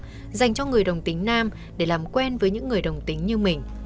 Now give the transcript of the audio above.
trang mạng dành cho người đồng tính nam để làm quen với những người đồng tính như mình